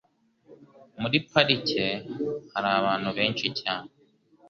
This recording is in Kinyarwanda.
Muri parike hari abantu benshi cyane.